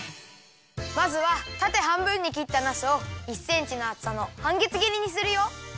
まずはたてはんぶんにきったなすを１センチのあつさのはんげつぎりにするよ。